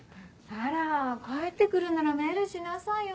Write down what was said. あら帰って来るならメールしなさいよ。